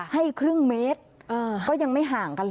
ให้ครึ่งเมตรก็ยังไม่ห่างกันเลย